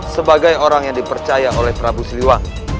sebagai orang yang dipercaya oleh prabu siliwan